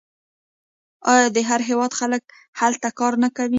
آیا د هر هیواد خلک هلته کار نه کوي؟